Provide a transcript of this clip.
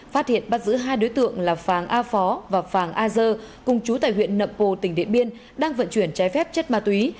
phát hiện bắt giữ hai đối tượng là phàng a phó và phàng a dơ cùng chú tại huyện nậm pồ tỉnh điện biên đang vận chuyển trái phép chất ma túy